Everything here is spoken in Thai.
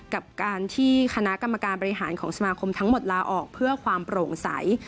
กับการที่คณะกรรมการบริหารของสมาคมทั้งหมดลาออกเพื่อความโปร่งใส